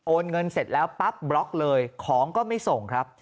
เงินเสร็จแล้วปั๊บบล็อกเลยของก็ไม่ส่งครับ